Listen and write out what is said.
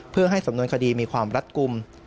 เพื่อให้สำนวนคดีมีความรัดกลุ่ม